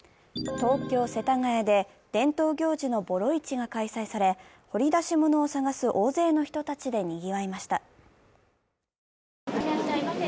東京・世田谷で伝統行事のボロ市が開催され、掘り出し物を探す大勢の人たちでにぎわいました。